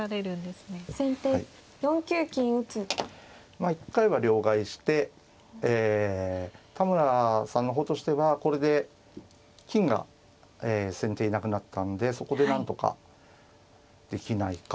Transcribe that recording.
まあ一回は両替してえ田村さんの方としてはこれで金が先手いなくなったんでそこでなんとかできないかと。